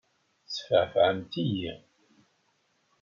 Tesfeεfεemt-iyi!